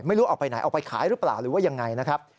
ไม่รู้ออกไปไหนเอาไปขายหรือเปล่าหรือว่ายังไงนะครับ